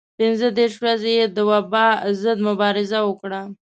پنځه دېرش ورځې یې د وبا ضد مبارزه وکړه.